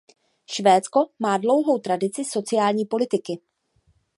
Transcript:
Švédsko má dlouhou tradici sociální politiky.